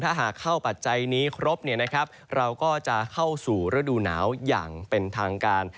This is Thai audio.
ถ้าหากเข้าปัจจัยนี้ครบเราก็จะเข้าสู่ฤดูหนาวอย่างเป็นทางการ